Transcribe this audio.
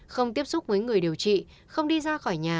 không tiếp xúc với người điều trị không đi ra khỏi nhà